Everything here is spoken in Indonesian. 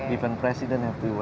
bahkan presiden juga